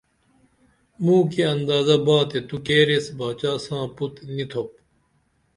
موکی اندازہ با تے تو کیر ایس باچا ساں پُت نی تھوپ